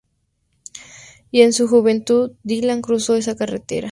Y en su juventud, Dylan cruzó esa carretera.